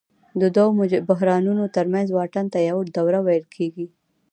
د دوو بحرانونو ترمنځ واټن ته یوه دوره ویل کېږي